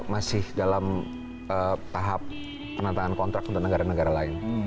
masih dalam tahap penantangan kontrak untuk negara negara lain